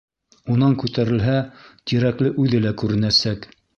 Унан күтәрелһә, Тирәкле үҙе лә күренәсәк.